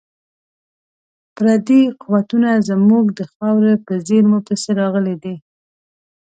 پردي قوتونه زموږ د خاورې په زیرمو پسې راغلي دي.